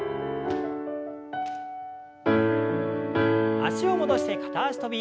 脚を戻して片脚跳び。